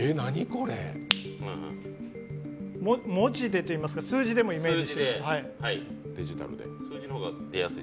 文字でといいますか、数字でもイメージしてください。